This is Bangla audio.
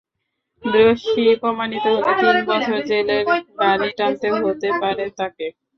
দোষী প্রমাণিত হলে তিন বছর জেলের ঘানি টানতে হতে পারে তাঁকে।